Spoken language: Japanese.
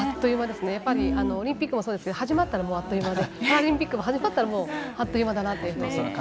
やっぱり、オリンピックもそうですけど始まったらあっという間でパラリンピックも始まったらあっという間だなという。